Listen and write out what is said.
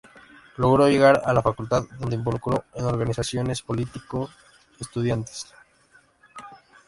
Logró llegar a la facultad donde se involucró en organizaciones político-estudiantiles.